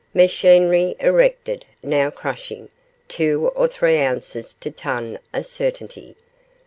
Machinery erected; now crushing; two or three ounces to ton a certainty.